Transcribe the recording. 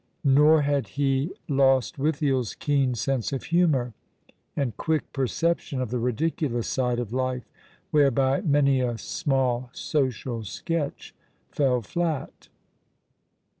Nor had he LostwithieFs keen sense of humour, and quick perception of the ridiculous side of life, whereby many a small social sketch fell flat.